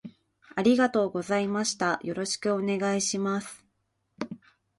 ありがとうございましたよろしくお願いします